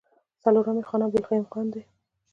څلورم يې خان عبدالقيوم خان دی.